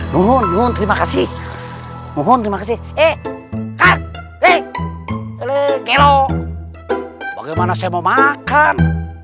mohon mohon terima kasih mohon terima kasih eh eh eh kek lo bagaimana saya mau makan